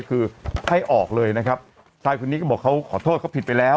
คือให้ออกเลยนะครับชายคนนี้ก็บอกเขาขอโทษเขาผิดไปแล้ว